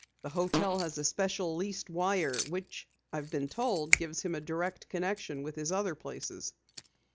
The hotel has a special leased wire which I've been told gives him a direct connection with his other places."